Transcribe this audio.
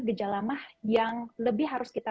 gejala mah yang lebih harus kita